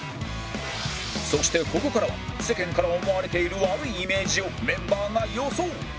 そしてここからは世間から思われている悪いイメージをメンバーが予想